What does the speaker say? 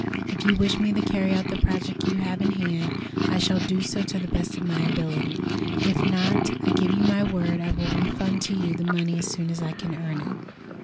If you wish me to carry out the project you have in hand, I shall do so to the best of my ability; if not, I give you my word I will refund to you the money as soon as I can earn it."